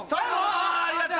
あありがとう！